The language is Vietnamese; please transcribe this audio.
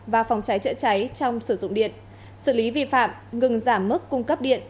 và phòng cháy chữa cháy trong sử dụng điện xử lý vi phạm ngừng giảm mức cung cấp điện